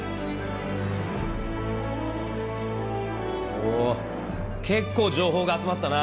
おけっこう情報が集まったな。